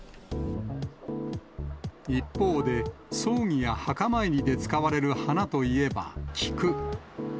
一方で、葬儀や墓参りで使われる花といえば菊。